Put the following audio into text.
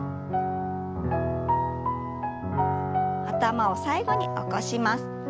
頭を最後に起こします。